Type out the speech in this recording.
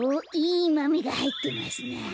いまめがはいってますなあ。